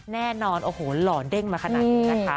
แน่นอนโอ้โหหล่อเด้งมาขนาดนี้นะคะ